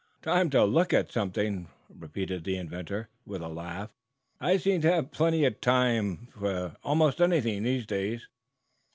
"Time to look at something?" repeated the inventor, with a laugh. "I seem to have plenty of time for almost anything these days."